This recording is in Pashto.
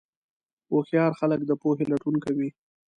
هوښیار خلک د پوهې لټون کوي.